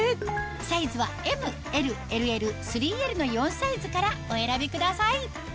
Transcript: サイズはＭＬＬＬ３Ｌの４サイズからお選びください